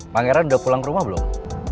pangeran udah pulang ke rumah belum